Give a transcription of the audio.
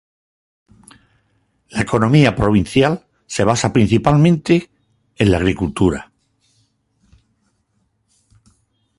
La economía provincial se basa principalmente en la agricultura.